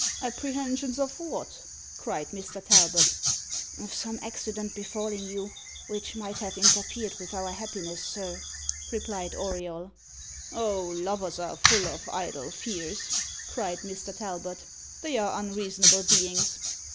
"Apprehensions of what?" cried Mr. Talbot. "Of some accident befalling you, which might have interfered with our happiness, sir," replied Auriol. "Oh, lovers are full of idle fears!" cried Mr. Talbot. "They are unreasonable beings.